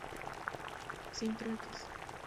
Sin trueques.